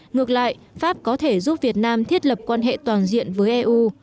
ngược lại pháp có thể giúp việt nam thiết lập quan hệ toàn diện với eu